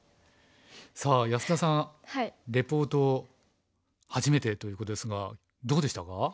さあ安田さんレポート初めてということですがどうでしたか？